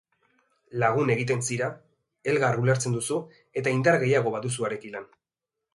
Lagun egiten zira, elgar ulertzen duzu eta indar gehiago baduzu harekilan.